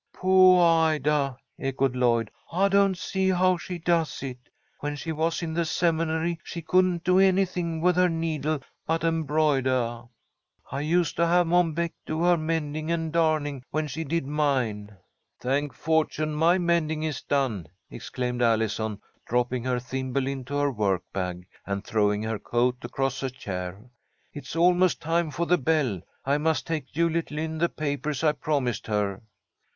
"Poah Ida!" echoed Lloyd. "I don't see how she does it. When she was in the Seminary, she couldn't do anything with her needle but embroidah. I used to have Mom Beck do her mending and darning when she did mine." "Thank fortune my mending is done!" exclaimed Allison, dropping her thimble into her work bag, and throwing her coat across a chair. "It's almost time for the bell. I must take Juliet Lynn the papers I promised her."